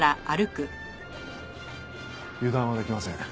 油断はできません。